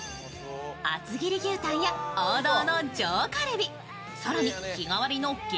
厚切り牛タンや王道の上カルビ、更に日替わりの激